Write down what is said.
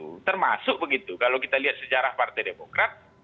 bukan masuk begitu kalau kita lihat sejarah partai demokrat